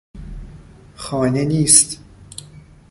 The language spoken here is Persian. خانه نیست.